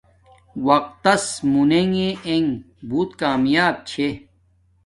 وقت تس مونی نے انگ بوت کامیاپ چھے